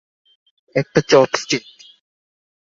একটা chop stake.